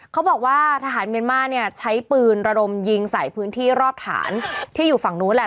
เขาบอกว่าทหารเมียนมาร์เนี่ยใช้ปืนระดมยิงใส่พื้นที่รอบฐานที่อยู่ฝั่งนู้นแหละ